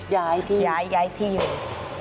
ย้ายที่ย้ายที่อยู่